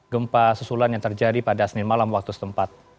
gempa susulan yang terjadi pada senin malam waktu setempat